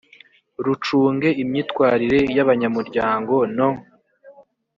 rucunge imyitwarire y abanyamuryango no